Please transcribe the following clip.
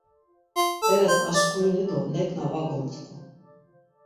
Beres aşkurinu do neǩna va gontzǩu.